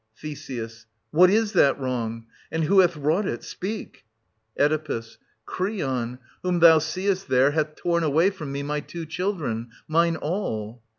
Th. What is that wrong ? And who hath wrought it ? Speak ! Oe. Creon, whom thou seest there, hath torn away from me my two children, — mine all.